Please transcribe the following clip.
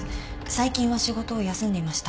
最近は仕事を休んでいました。